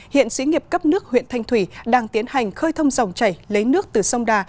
hiện xí nghiệp cấp nước huyện thanh thủy đang tiến hành khơi thông dòng chảy lấy nước từ sông đà